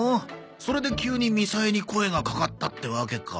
それで急にみさえに声がかかったってわけか。